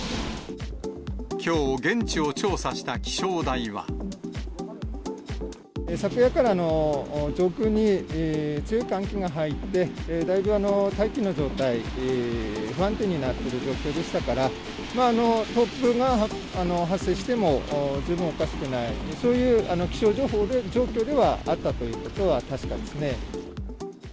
きょう、現地を調査した気象昨夜から、上空に強い寒気が入って、だいぶ大気の状態、不安定になってる状況でしたから、まあ、突風が発生しても、十分おかしくない、そういう気象状況ではあったということは確かですね。